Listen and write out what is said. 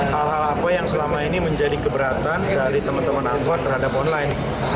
hal hal apa yang selama ini menjadi keberatan dari teman teman angkot terhadap online